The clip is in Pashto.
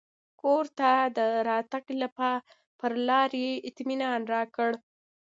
کور ته د راتګ پر لار یې اطمنان راکړ.